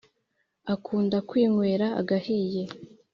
Akunda kwinywera agahiye